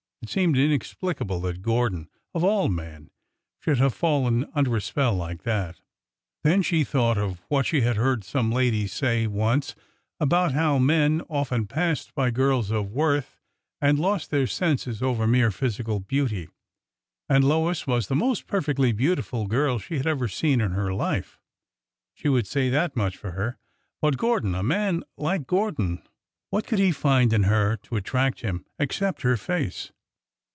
It seemed inexplicable that Gordon— of all men— should have fallen under a spell like that! Then she thought of what she had heard some ladies say once about how men often passed by girls of worth and lost their senses over mere physical beauty. ... And Lois was the most perfectly beautiful girl she had ever .seen in her life — she would say that much for her. ... But Gor don! — a man like Gordon! What could he find in her to attract him, except her face?